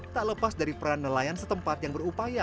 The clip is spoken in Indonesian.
tak lepas dari peran nelayan setempat yang berupaya